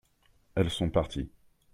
Elles sont parties.